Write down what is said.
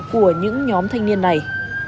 của những nhóm thanh niên này